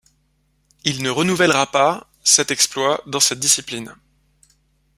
Il ne renouvellera pas cet exploit dans cette discipline.